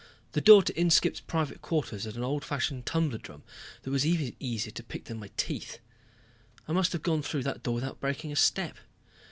The door to Inskipp's private quarters had an old fashioned tumbler drum that was easier to pick than my teeth. I must have gone through that door without breaking step.